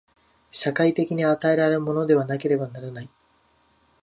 社会的に与えられるものでなければならない。